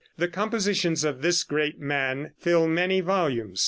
The compositions of this great man fill many volumes.